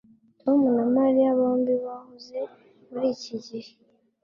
Tom na Mariya bombi bahuze muri iki gihe